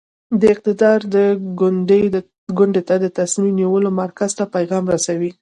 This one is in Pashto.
د اقدار د کونډې ته د تصمیم نیولو مرکز ته پیغام رسوي.